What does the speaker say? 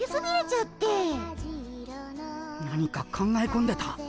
何か考え込んでた？